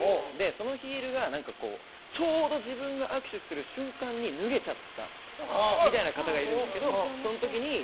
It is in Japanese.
そのヒールがちょうど自分が握手する瞬間に脱げちゃったみたいな方がいるんですけどその時に。